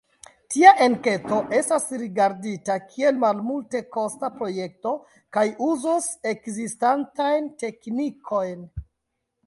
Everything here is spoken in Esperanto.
Tia enketo estas rigardita kiel malmultekosta projekto kaj uzos ekzistantajn teknikojn.